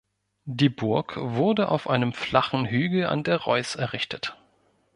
Die Burg wurde auf einem flachen Hügel an der Reuss errichtet.